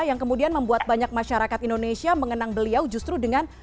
yang kemudian membuat banyak masyarakat indonesia mengenang beliau justru dengan